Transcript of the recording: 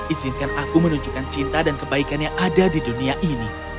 izinkan aku menunjukkan cinta dan kebaikan yang ada di dunia ini